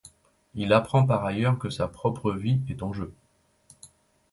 Il apprend par ailleurs que sa propre vie est en jeu.